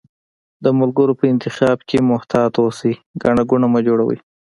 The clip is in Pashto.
د ملګرو په انتخاب کښي محتاط اوسی، ګڼه ګوڼه مه جوړوی